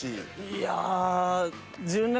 いや。